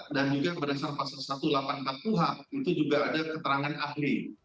dan juga berdasarkan pasal seribu delapan ratus empat puluh h itu juga ada keterangan ahli